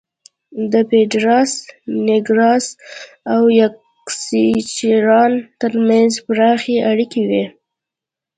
د پېډراس نېګراس او یاکسچیلان ترمنځ پراخې اړیکې وې